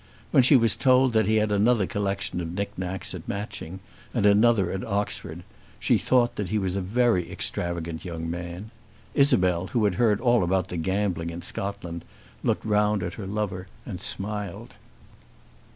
When she was told that he had another collection of "knick knacks" at Matching, and another at Oxford, she thought that he was a very extravagant young man. Isabel, who had heard all about the gambling in Scotland, looked round at her lover and smiled.